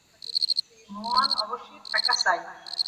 অতএব আমরা দেখিতেছি, তৃতীয়ত মন অবশ্যই থাকা চাই।